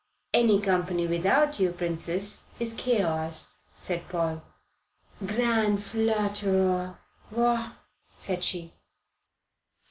"Any company without you, Princess, is chaos," said Paul. "Grand flatteur, va, ' said she.